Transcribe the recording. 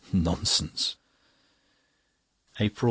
Nonsense! APRIL 23.